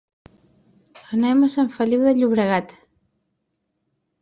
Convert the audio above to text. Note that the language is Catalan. Anem a Sant Feliu de Llobregat.